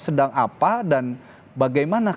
sedang apa dan bagaimana